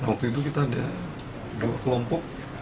waktu itu kita ada dua kelompok